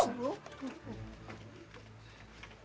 sudah sudah sudah